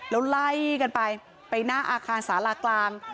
แล้วไล่กันไปไปหน้าอาคารสารากลาง